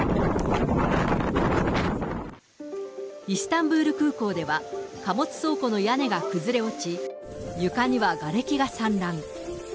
イスタンブール空港では、貨物倉庫の屋根が崩れ落ち、床にはがれきが散乱。